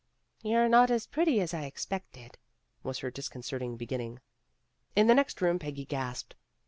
"You're not as pretty as I expected," was her disconcerting beginning. In the next room Peggy gasped.